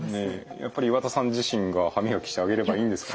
やっぱり岩田さん自身が歯磨きしてあげればいいんですかね。